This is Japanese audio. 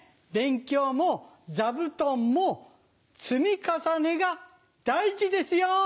勉強も座布団も積み重ねが大事ですよ